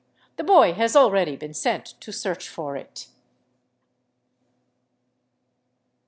The boy has already been sent to search for it."